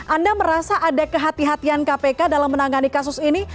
anda merasa ada kehatian kpk dalam menangani kasus ini